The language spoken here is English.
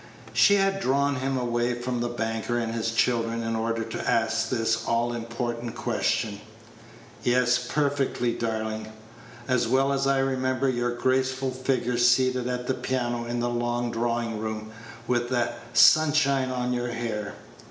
She had drawn him away from the banker and his children in order to ask this all important question. "Yes, perfectly, darling. As well as I remember your graceful figure seated at the piano in the long drawing room, with the sunshine on your hair."